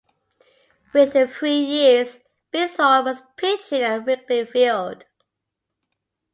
Within three years, Bithorn was pitching at Wrigley Field.